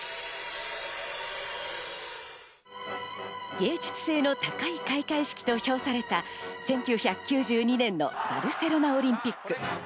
芸術性の高い開会式と評された、１９９２年のバルセロナオリンピック。